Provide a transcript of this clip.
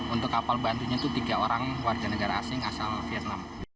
untuk kapal bantunya itu tiga orang warga negara asing asal vietnam